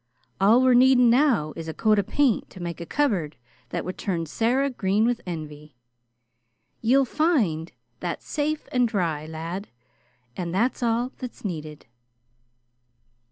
All we're, needing now is a coat of paint to make a cupboard that would turn Sarah green with envy. Ye'll find that safe an' dry, lad, an' that's all that's needed."